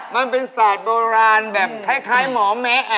มันเป็นศาสตร์โบราณแบบคล้ายหมอแมะ